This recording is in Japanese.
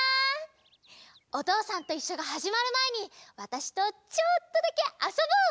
「おとうさんといっしょ」がはじまるまえにわたしとちょっとだけあそぼう！